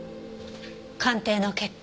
鑑定の結果